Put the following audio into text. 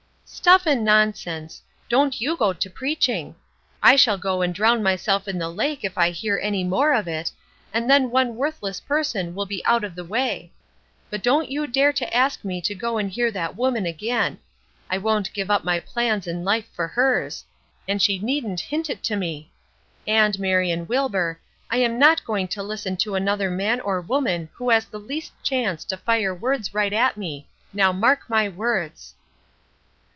"Stuff and nonsense! Don't you go to preaching. I shall go and drown myself in the lake if I hear any more of it, and then one worthless person will be out of the way. But don't you dare to ask me to go and hear that woman again! I won't give up my plans in life for hers, and she needn't hint it to me. And, Marion Wilbur, I am not going to listen to another man or woman who has the least chance to fire words right at me now mark my words."